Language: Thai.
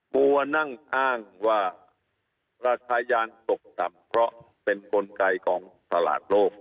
บัวนั่งอ้างว่าราคายางตกต่ำเพราะเป็นกลไกของตลาดโลก